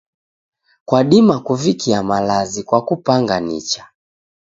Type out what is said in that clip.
Kwadima kuvikia malazi kwa kupanga nicha.